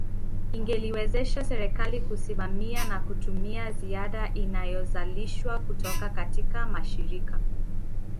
Ingeliwezesha serikali kusimamia na kutumia ziada inayozalishwa kutoka katika mashirika